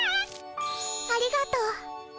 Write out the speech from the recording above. ありがとう。